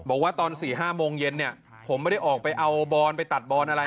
บอกว่าตอน๔๕โมงเย็นเนี่ยผมไม่ได้ออกไปเอาบอนไปตัดบอนอะไร